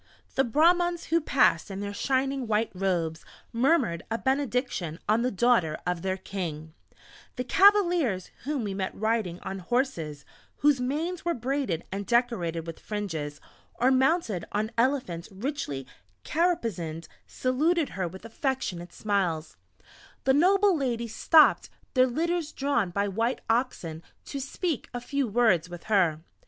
The Brahmans who passed in their shining white robes, murmured a benediction on the daughter of their king; the cavaliers whom we met riding on horses whose manes were braided and decorated with fringes, or mounted on elephants richly caparisoned, saluted her with affectionate smiles; the noble ladies stopped their litters drawn by white oxen to speak a few words with her.